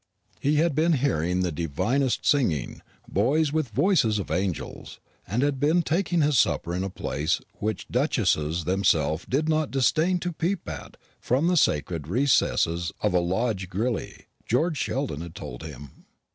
He had been hearing the divinest singing boys with the voices of angels and had been taking his supper in a place which duchesses themselves did not disdain to peep at from the sacred recesses of a loge grillee, George Sheldon had told him.